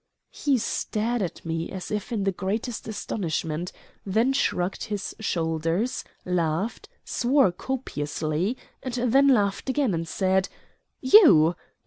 He stared at me as if in the greatest astonishment, then shrugged his shoulders, laughed, swore copiously, and then laughed again and said: "You?